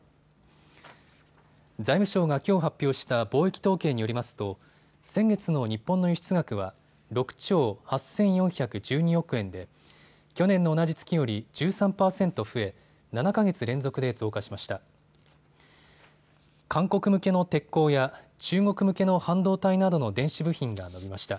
財務省がきょう発表した貿易統計によりますと先月の日本の輸出額は６兆８４１２億円で去年の同じ月より１３％増え７か月連続で増加しました。